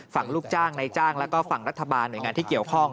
ลูกจ้างในจ้างแล้วก็ฝั่งรัฐบาลหน่วยงานที่เกี่ยวข้อง